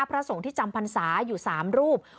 พระโสงที่จำพัญศ์สาอยู่๓รูป